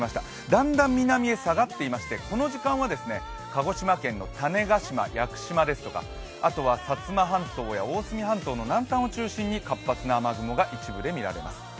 だんだん南へ下がっていましてこの時間は鹿児島県の種子島屋久島ですとかあとは薩摩半島や大隅半島の南端を中心に活発な雨雲が一部で見られます。